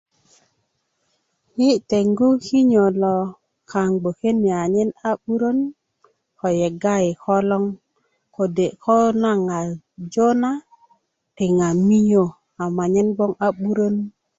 yi tengu kinyo lo kaŋ gboke ni anyen kinyo lo a gboŋ a 'burän ko yega i koloŋ kode ko naŋ a jo na tiŋa miyä a ma nyen gboŋ a'burän